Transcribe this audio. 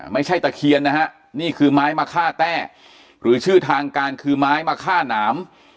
ตะเคียนนะฮะนี่คือไม้มะค่าแต้หรือชื่อทางการคือไม้มะค่าหนาม